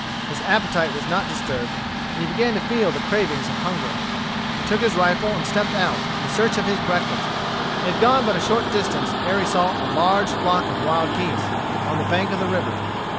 His appetite was not disturbed, and he began to feel the cravings of hunger. He took his rifle and stepped out in search of his breakfast. He had gone but a short distance ere he saw a large flock of wild geese, on the bank of the river.